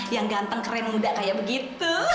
yang ganteng keren muda kayak begitu